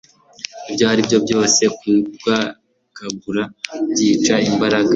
ibyo aribyo byose. Kuryagagura byica imbaraga